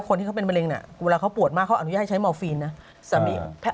คนที่เขาเป็นมะเร็งเนี่ยเวลาเขาปวดมากเขาอนุญาตให้ใช้มอร์ฟีนนะ